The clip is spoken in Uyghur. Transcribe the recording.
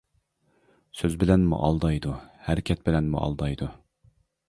سۆز بىلەنمۇ ئالدايدۇ، ھەرىكەت بىلەنمۇ ئالدايدۇ.